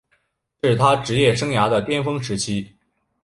这是他职业生涯的巅峰时期。